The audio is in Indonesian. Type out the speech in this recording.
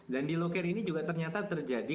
dan di low care ini juga ternyata terjadi